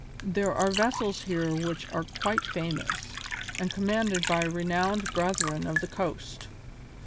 There are vessels here which are quite famous, and commanded by renowned Brethren of the Coast.